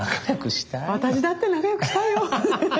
私だって仲よくしたいよ。